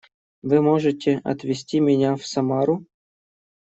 Вы можете отвезти меня в Самару?